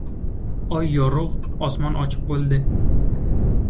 Oy yorug‘, osmon ochiq bo‘ldi.